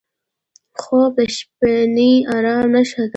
خوب د شپهني ارام نښه ده